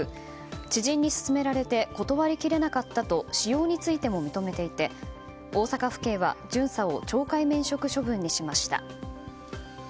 知人に勧められて断り切れなかったと使用についても認めていて大阪府警は巡査を懲戒免職処分にしました。